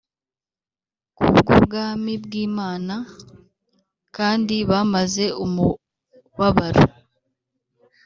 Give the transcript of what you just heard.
ku bw’ubwami bw’Imana kandi bamaze umubabaro